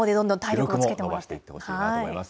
記録も伸ばしていってほしいと思います。